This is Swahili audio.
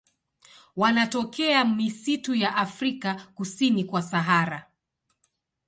Wanatokea misitu ya Afrika kusini kwa Sahara.